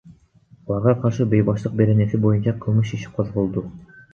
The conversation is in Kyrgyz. Аларга каршы Бейбаштык беренеси боюнча кылмыш иши козголду.